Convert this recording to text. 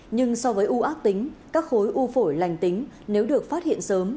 nhưng so với u ác tính các khối u phổi lành tính nếu được phát hiện sớm